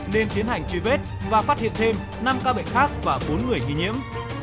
nên tiến hành truy vết và phát hiện thêm năm ca bệnh khác và bốn người nghi nhiễm